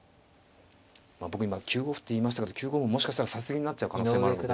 まあ僕今９五歩って言いましたけど９五歩もしかしたら指し過ぎになっちゃう可能性もあるので。